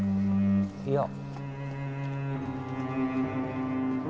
いや。